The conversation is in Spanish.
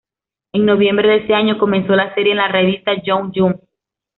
En noviembre de ese año, comenzó la serie en la revista Young Jump.